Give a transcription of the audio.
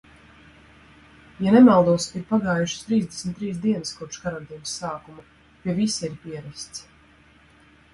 Ja nemaldos, ir pagājušas trīsdesmit trīs dienas kopš karantīnas sākuma, pie visa ir pierasts.